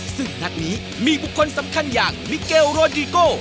ซึ่งนัดนี้มีบุคคลสำคัญอย่างมิเกลโรดิโก